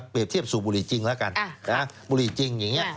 เทียบสูบบุหรี่จริงแล้วกันบุหรี่จริงอย่างนี้